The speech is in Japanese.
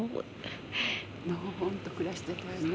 のほほんと暮らしてたよね。